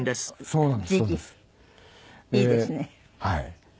はい。